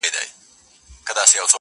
• چي څه تیار وي هغه د یار وي -